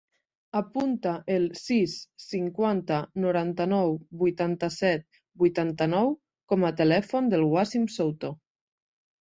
Apunta el sis, cinquanta, noranta-nou, vuitanta-set, vuitanta-nou com a telèfon del Wassim Souto.